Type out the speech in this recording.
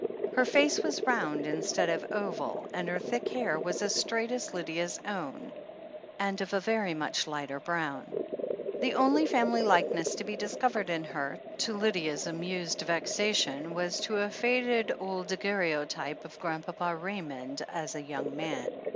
Her face was round instead of oval, and her thick hair was as straight as Lydia's own, and of a very much lighter brown. The only family likeness to be discovered in her, to Lydia's amused vexation, was to a faded old daguer reotype of Grandpapa Raymond as a young man.